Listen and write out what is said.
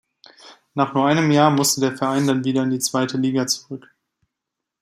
Nach nur einem Jahr musste der Verein dann wieder in die Zweite Liga zurück.